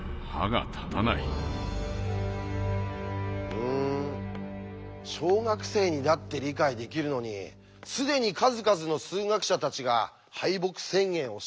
うん小学生にだって理解できるのに既に数々の数学者たちが敗北宣言をしているなんて。